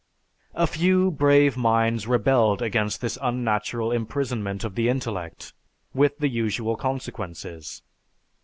A few brave minds rebelled against this unnatural imprisonment of the intellect, with the usual consequences.